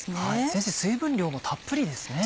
先生水分量もたっぷりですね。